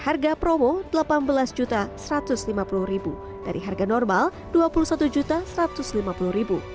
harga promo delapan belas juta satu ratus lima puluh ribu dari harga normal dua puluh satu juta satu ratus lima puluh ribu